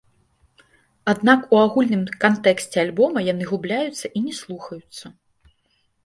Аднак у агульным кантэксце альбома яны губляюцца і не слухаюцца.